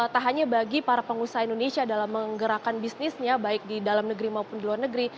tak hanya bagi para pengusaha indonesia dalam menggerakkan bisnisnya baik di dalam negeri maupun di luar negeri